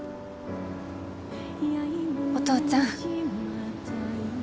お父ちゃん